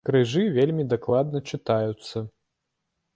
Крыжы вельмі дакладна чытаюцца!